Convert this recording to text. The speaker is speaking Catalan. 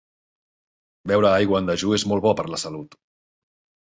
Beure aigua en dejú és molt bo per la salut.